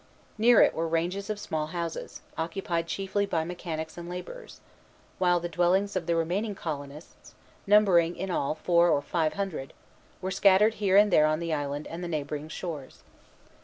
Near it were ranges of small houses, occupied chiefly by mechanics and laborers; while the dwellings of the remaining colonists, numbering in all four or five hundred, were scattered here and there on the island and the neighboring shores.